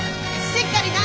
しっかりな！